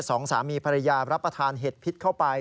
สองสามีภรรยารับประทานเห็ดพิษเข้าไป